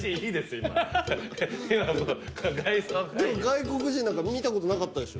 今今外相会議でも外国人なんか見たことなかったでしょ？